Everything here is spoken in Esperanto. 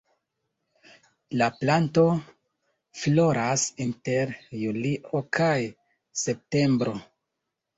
La planto floras inter julio kaj septembro.